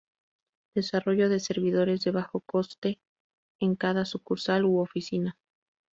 Desarrollo de servidores de bajo coste en cada sucursal u oficina.